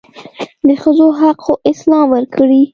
دښځو حق خواسلام ورکړي